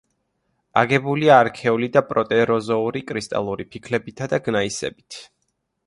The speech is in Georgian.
აგებულია არქეული და პროტეროზოური კრისტალური ფიქლებითა და გნაისებით.